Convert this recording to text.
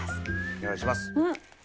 お願いします。